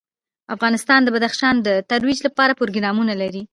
افغانستان د بدخشان د ترویج لپاره پروګرامونه لري.